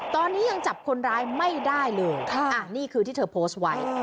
ตอนนี้ยังจับคนร้ายไม่ได้เลยนี่คือที่เธอโพสต์ไว้